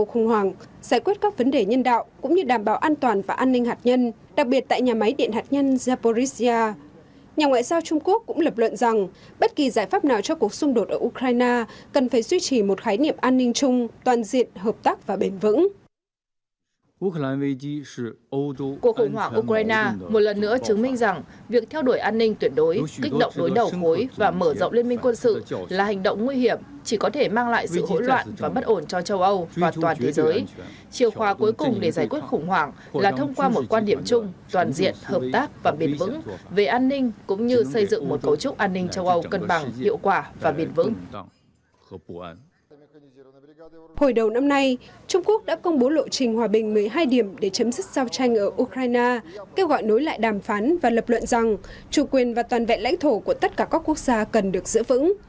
hồi đầu năm nay trung quốc đã công bố lộ trình hòa bình một mươi hai điểm để chấm dứt south china ở ukraine kêu gọi nối lại đàm phán và lập luận rằng chủ quyền và toàn vẹn lãnh thổ của tất cả các quốc gia cần được giữ vững